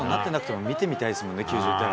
見てみたいですよね。